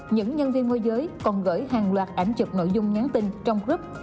những nhân viên môi giới còn gửi hàng loạt ảnh chụp nội dung nhắn tin trong group